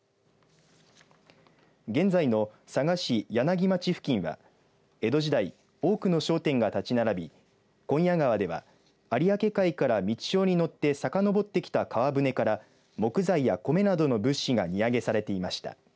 現在の佐賀市柳町付近は江戸時代多くの商店が建ち並び紺屋川では有明海から満ち潮にのってさかのぼってきた川船から木材や米などの物資が荷揚げされていました。